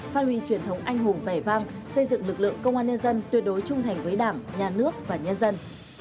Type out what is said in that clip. phát huy truyền thống anh hùng vẻ vang xây dựng lực lượng công an nhân dân tuyệt đối trung thành với đảng nhà nước và nhân dân